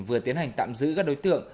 vừa tiến hành tạm giữ các đối tượng